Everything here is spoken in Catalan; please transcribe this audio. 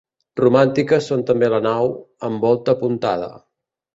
Romàniques són també la nau, amb volta apuntada.